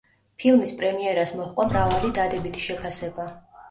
ფილმის პრემიერას მოჰყვა მრავალი დადებითი შეფასება.